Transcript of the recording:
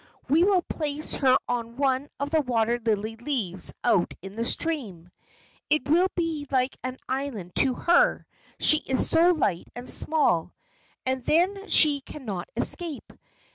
We will place her on one of the water lily leaves out in the stream. It will be like an island to her, she is so light and small, and then she cannot escape.